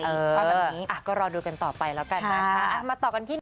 เออก็รอดูกันต่อไปแล้วกันมาต่อกันที่นี้